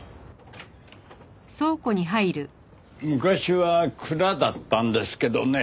昔は蔵だったんですけどね